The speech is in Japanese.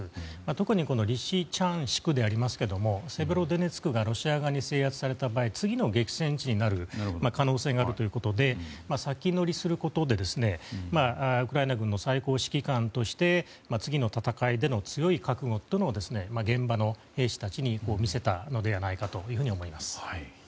特にリシチャンシクですけどセベロドネツクがロシア側に制圧された場合次の激戦地になる可能性があるということで先乗りすることでウクライナ軍の最高指揮官として次の戦いでの強い覚悟を現場の兵士たちに見せたのではと思います。